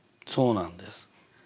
そうなんです。